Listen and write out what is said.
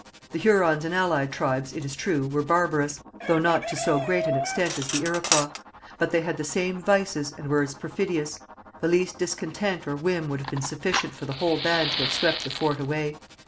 The Hurons and allied tribes, it is true, were barbarous, though not to so great an extent as the Iroquois, but they had the same vices and were as perfidious. The least discontent or whim would have been sufficient for the whole band to have swept the fort away.